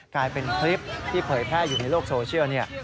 กลายเป็นคลิปที่เผยแพร่อยู่ในโลกโซเชียลเนี่ย